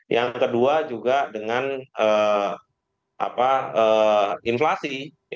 yang kedua juga dengan inflasi